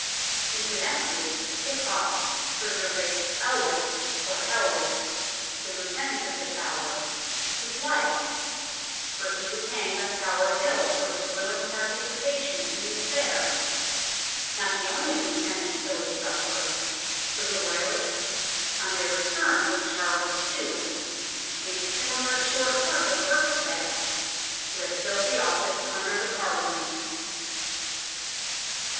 Incidentally it cost Sir Gervase Elwes or Helwyss the Lieutenant of The Tower, his life, for he was hanged on Tower Hill for his willing participation in the affair not the only Lieutenant so to suffer, for the Royalists, on their return with Charles II, made similar short work of Berkstead, who had filled the office under the Parliament.